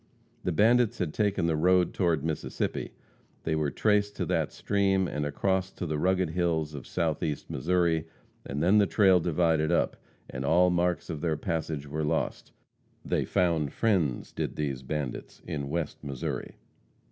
The bandits had taken the road toward the Mississippi. They were traced to that stream and across to the rugged hills of Southeast Missouri, and then the trail divided up, and all marks of their passage were lost. They found friends, did these bandits, in West Missouri.